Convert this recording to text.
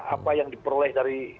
apa yang diperoleh dari